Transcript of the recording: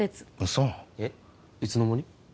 そーんえっいつの間に？